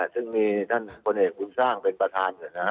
ซึ่งมีท่านบนเอกคุณสร้างเป็นประธานเฉพาะ